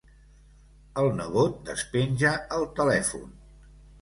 El nebot despenja el telèfon.